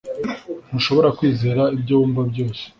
Ntushobora kwizera ibyo wumva byose